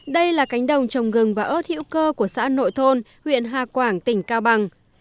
đây là cánh đồng trồng gừng và ớt hữu cơ của xã nội thôn huyện hà quảng tỉnh cao bằng